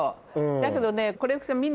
だけどね。